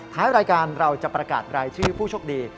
ท้ายรายการเราจะประกาศรายชื่อผู้โชคดี